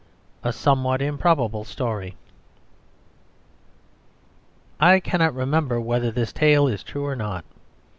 A Somewhat Improbable Story I cannot remember whether this tale is true or not.